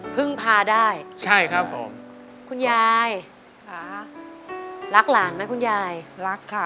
พึ่งพาได้ใช่ครับผมคุณยายค่ะรักหลานไหมคุณยายรักค่ะ